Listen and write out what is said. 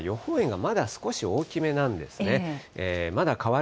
ただ、予報円がまだ少し大きめなんですね。